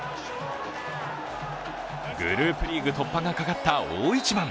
グループリーグ突破がかかった大一番。